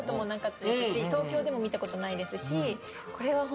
東京でも見たことないですしこれは。